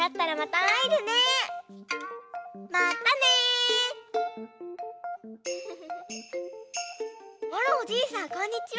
あらおじいさんこんにちは！